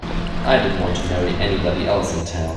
I didn't want to marry anybody else in town.